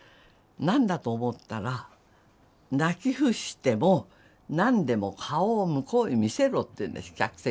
何だと思ったら「泣き伏しても何でも顔を向こうに見せろ」って言うんです客席へ。